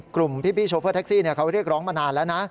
กลุ่มพี่โชเฟอร์แท็กซี่เขาเรียกร้องมานานแล้วนะ